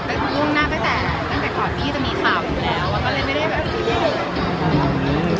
แต่ตั้งแต่ทวดนี้จะมีคาบแล้วก็เลยไม่ได้แบบแบบนะคะ